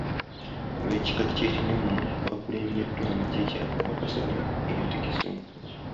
Ab’ekika ky’Ekinyomo baakulembeddwamu jjajjaabwe ow’Akasolya eyategese omukolo.